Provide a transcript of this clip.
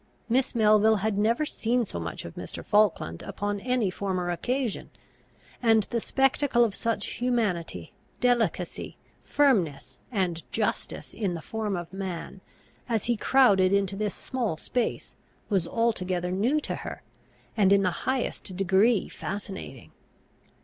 Miss Melville had never seen so much of Mr. Falkland upon any former occasion; and the spectacle of such humanity, delicacy, firmness, and justice in the form of man, as he crowded into this small space, was altogether new to her, and in the highest degree fascinating.